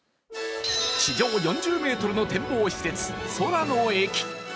地上４０ｍの展望施設、空の駅。